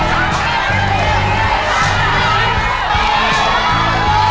เอาดี